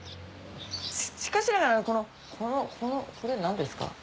しかしながらこれ何ですか？